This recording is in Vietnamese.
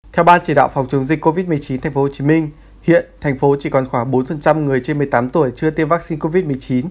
theo ban chỉ đạo phòng chống dịch covid một mươi chín tp hcm hiện thành phố chỉ còn khoảng bốn người trên một mươi tám tuổi chưa tiêm vaccine covid một mươi chín